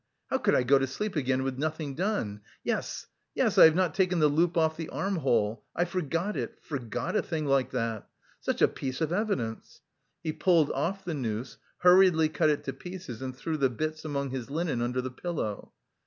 "How could I go to sleep again with nothing done? Yes, yes; I have not taken the loop off the armhole! I forgot it, forgot a thing like that! Such a piece of evidence!" He pulled off the noose, hurriedly cut it to pieces and threw the bits among his linen under the pillow.